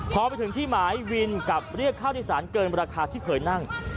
พอไปถึงที่หมายวินกลับเรียกค่าโดยสารเกินราคาที่เคยนั่ง